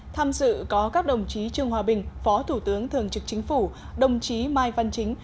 tham dự có các đồng chí trương hòa bình phó thủ tướng thường trực chính phủ đồng chí mai văn chính